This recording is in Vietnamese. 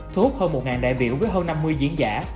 thu hút hơn một đại biểu với hơn năm mươi diễn giả